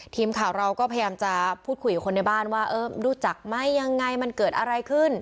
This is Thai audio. ทีมข่าวเราก็พยายามจะพูดคุยกับคนในบ้านว่าเออรู้จักไหมยังไงมันเกิดอะไรขึ้น